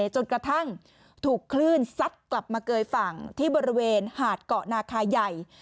จนกระทั่งถูกคลื่นซัดกลับมาเกยฝั่งที่บริเวณหาดเกาะนาคาใหญ่